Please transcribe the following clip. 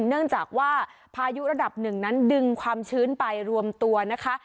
เนื่องจากว่าพายุระดับหนึ่งนั้นดึงความชื้นไปรวมตัวนะคะ